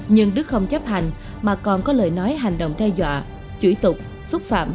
nhưng đức không chấp hành mà còn có lời nói hành động đe dọa chửi tục xúc phạm